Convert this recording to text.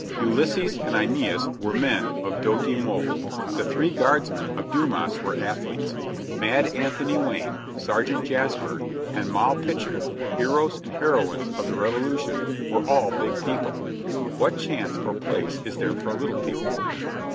Ulysses and ^neas were men of doughty mould, the three guardsmen of Dumas were ath letes; Mad Anthony Wayne, Sergeant Jasper and Moll Pitcher, heroes and heroines of the Revolution, were all big people. What chance or place is there for little people?